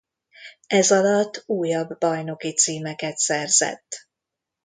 Ezalatt újabb bajnoki címeket szerzett.